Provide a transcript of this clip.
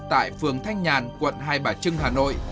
tại phường thanh nhàn quận hai bà trưng hà nội